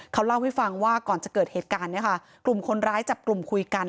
เขาเล่าให้ฟังว่าก่อนจะเกิดเหตุการณ์เนี่ยค่ะกลุ่มคนร้ายจับกลุ่มคุยกัน